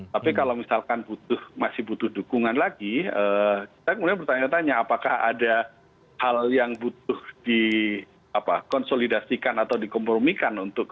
tapi kalau misalkan masih butuh dukungan lagi kita kemudian bertanya tanya apakah ada hal yang butuh dikonsolidasikan atau dikompromikan untuk